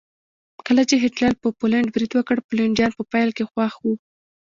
کله چې هېټلر په پولنډ برید وکړ پولنډیان په پیل کې خوښ وو